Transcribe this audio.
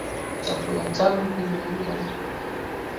Chakula changu kimeiva